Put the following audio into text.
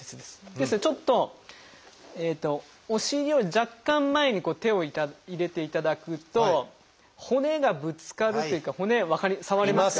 ですのでちょっとお尻を若干前にこう手を入れていただくと骨がぶつかるっていうか骨触れますか？